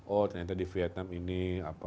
oh ternyata di vietnam ini apa